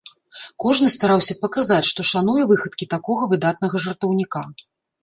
Кожны стараўся паказаць, што шануе выхадкі такога выдатнага жартаўніка.